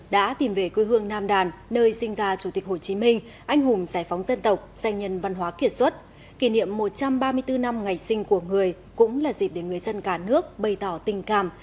điểm một trăm ba mươi bốn năm ngày sinh của người cũng là dịp để người dân cả nước bày tỏ tình cảm